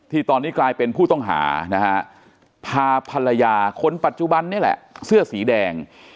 ตอนนี้กลายเป็นผู้ต้องหานะฮะพาภรรยาคนปัจจุบันนี่แหละเสื้อสีแดง